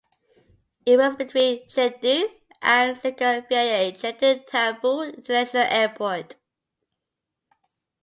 It runs between Chengdu and Zigong via Chengdu Tianfu International Airport.